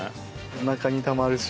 おなかにたまるし。